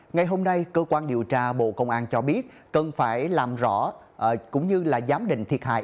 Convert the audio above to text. ngày hôm nay cơ quan điều tra bộ công an cho biết cần phải làm rõ cũng như là giám định thiệt hại